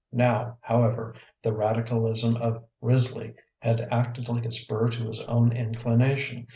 Now, however, the radicalism of Risley had acted like a spur to his own inclination.